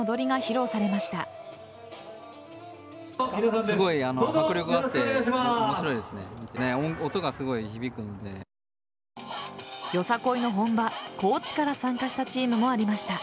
よさこいの本場・高知から参加したチームもありました。